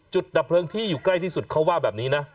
ดับเพลิงที่อยู่ใกล้ที่สุดเขาว่าแบบนี้นะ